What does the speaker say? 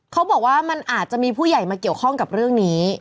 เขาบอกว่ามันอาจจะมีผู้ใหญ่มาเกี่ยวข้องกับเรื่องนี้